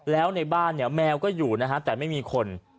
แล้วในบ้านแมวก็อยู่แต่ไม่มีคน